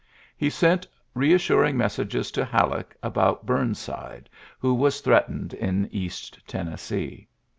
He sent reassuring mes sages to Halleck about Bumside, who was threatened in East Tennessee.